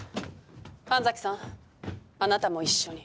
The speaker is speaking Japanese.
神崎さんあなたも一緒に。